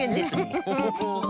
ウフフフ。